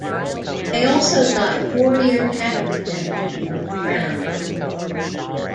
They also got four year tax exemption from the crown.